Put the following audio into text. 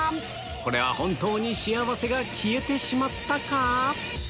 これは本当に幸せが消えてしまったか？